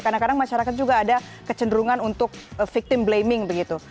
kadang kadang masyarakat juga ada kecenderungan untuk victim blaming begitu